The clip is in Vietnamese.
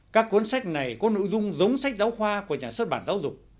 các cuốn sách này có nội dung giống sách giáo khoa của nhà xuất bản giáo dục